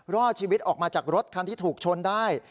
รอดชีวิตออกมาจากรถคันที่ถูกชนได้